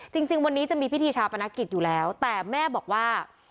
จริงวันนี้จะมีพิธีชาปนกิจอยู่แล้วแต่แม่บอกว่า